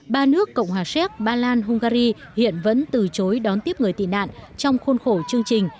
ba nước cộng hòa séc ba lan hungary hiện vẫn từ chối đón tiếp người tị nạn trong khuôn khổ chương trình